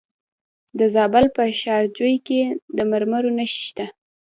د زابل په شاجوی کې د مرمرو نښې شته.